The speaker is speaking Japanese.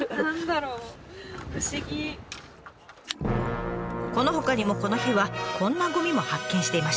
このほかにもこの日はこんなゴミも発見していました。